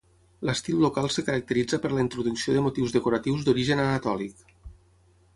L'estil local es caracteritza per la introducció de motius decoratius d'origen anatòlic.